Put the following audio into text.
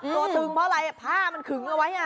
ตัวตึงเพราะอะไรผ้ามันขึงเอาไว้